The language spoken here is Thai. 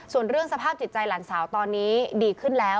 ส่วนเรื่องสภาพจิตใจหลานสาวตอนนี้ดีขึ้นแล้ว